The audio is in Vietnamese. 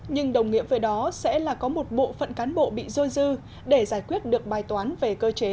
nhưng đồng nghĩa về đó sẽ là có một bộ phận cán bộ bị dôi dư để giải quyết được bài toán về cơ chế